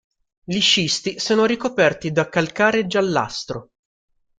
Gli scisti sono ricoperti da calcare giallastro.